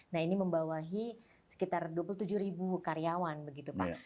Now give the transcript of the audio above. nah ini membawahi sekitar dua puluh tujuh ribu karyawan begitu pak